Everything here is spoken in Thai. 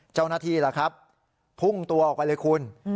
เจ้าหน้าที่ล่ะครับพุ่งตัวออกไปเลยคุณ